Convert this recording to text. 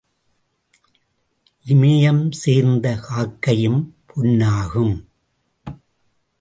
இமயம் சேர்ந்த காக்கையும் பொன்னாகும்.